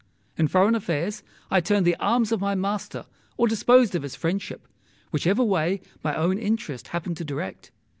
In foreign affairs I turned the arms of my master or disposed of his friendship, whichever way my own interest happened to direct.